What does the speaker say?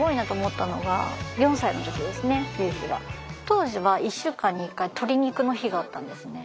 当時は１週間に１回鶏肉の日があったんですね。